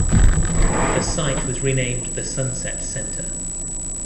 The site was renamed the Sunset Center.